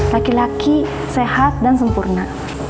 laki laki sehat dan sempurna